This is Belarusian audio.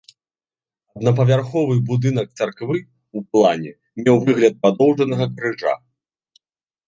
Аднапавярховы будынак царквы ў плане меў выгляд падоўжанага крыжа.